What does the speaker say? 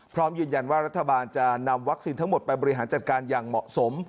พร้อมยืนยันว่ารัฐบาลจะนำวัคซีนทั้งหมดไปบริหารจัดการอย่างเหมาะสม